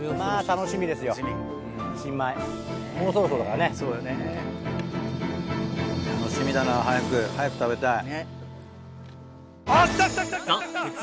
楽しみだな早く早く食べたい。